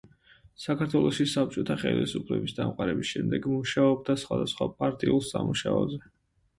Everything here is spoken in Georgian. საქართველოში საბჭოთა ხელისუფლების დამყარების შემდეგ მუშაობდა სხვადასხვა პარტიულ სამუშაოზე.